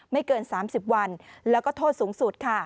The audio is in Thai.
ไม่เกิน๓๐วันและโทษสูงสุด